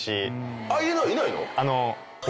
ＩＮＩいないの？